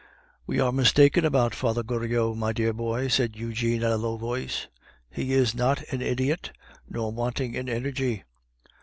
"We are mistaken about Father Goriot, my dear boy," said Eugene in a low voice. "He is not an idiot, nor wanting in energy.